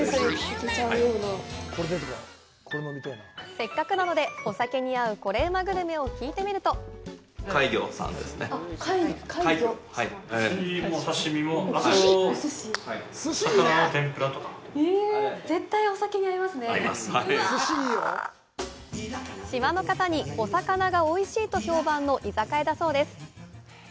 せっかくなので、お酒に合うコレうまグルメを聞いてみると島の方に、お魚がおいしいと評判の居酒屋だそうです。